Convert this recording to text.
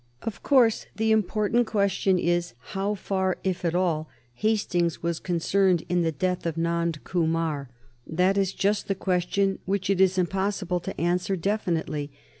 Of course, the important question is how far, if at all, Hastings was concerned in the death of Nand Kumar. That is just the question which it is impossible to answer definitely.